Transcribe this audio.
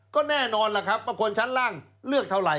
ก็แน่นอนล่ะครับว่าคนชั้นล่างเลือกเท่าไหร